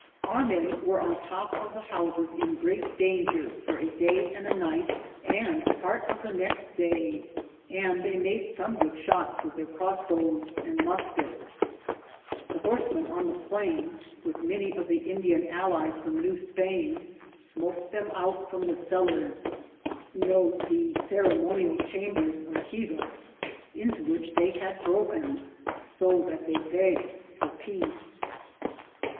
Our men were on top of the houses in great danger for a day and a night and part of the next day, and they made some good shots with their crossbows and muskets. The horsemen on the plain with many of the Indian allies from New Spain smoked them out from the cellars * into which they had broken, so that they begged for peace.